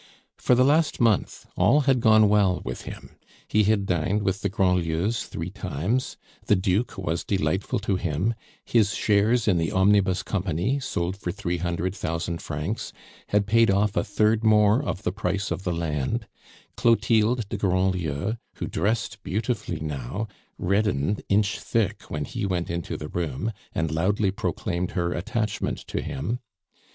For the last month all had gone well with him; he had dined with the Grandlieus three times; the Duke was delightful to him; his shares in the Omnibus Company, sold for three hundred thousand francs, had paid off a third more of the price of the land; Clotilde de Grandlieu, who dressed beautifully now, reddened inch thick when he went into the room, and loudly proclaimed her attachment to him.